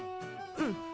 うん。